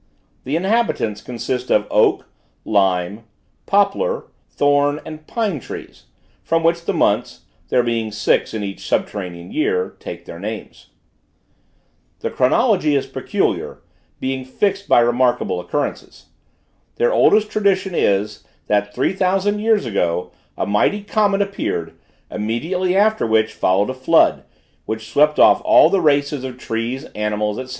The inhabitants consist of oak, lime, poplar, thorn, and pine trees, from which the months there being six in each subterranean year take their names. The chronology is peculiar, being fixed by remarkable occurrences. Their oldest tradition is, that three thousand years ago, a mighty comet appeared, immediately after which followed a flood, which swept off all the races of trees, animals, &c.